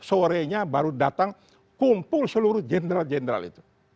sorenya baru datang kumpul seluruh jenderal jenderal itu